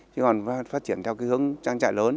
chứ còn phát triển theo cái hướng trang trại lớn